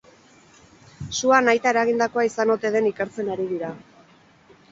Sua nahita eragindakoa izan ote den ikertzen ari dira.